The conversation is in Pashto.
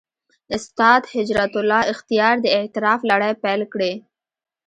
استاد هجرت الله اختیار د «اعتراف» لړۍ پېل کړې.